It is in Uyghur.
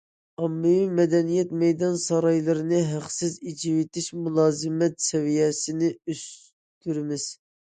ئاممىۋى مەدەنىيەت مەيدان- سارايلىرىنى ھەقسىز ئېچىۋېتىش مۇلازىمەت سەۋىيەسىنى ئۆستۈرىمىز.